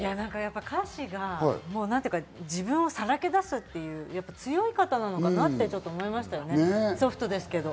歌詞が自分をさらけ出すという強い方なのかなと思いました、ソフトですけど。